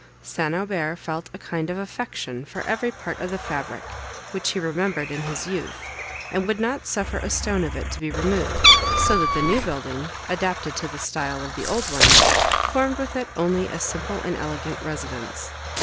St. Aubert felt a kind of affection for every part of the fabric, which he remembered in his youth, and would not suffer a stone of it to be removed, so that the new building, adapted to the style of the old one, formed with it only a simple and elegant residence.